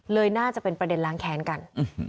น่าจะเป็นประเด็นล้างแค้นกัน